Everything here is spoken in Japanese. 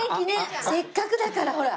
せっかくだからほら。